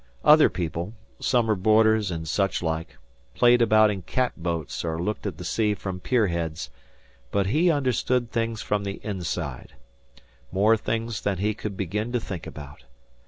Other people summer boarders and such like played about in cat boats or looked at the sea from pier heads; but he understood things from the inside more things than he could begin to think about.